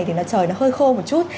thì trời nó hơi khô một chút